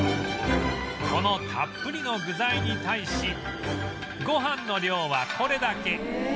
このたっぷりの具材に対しご飯の量はこれだけ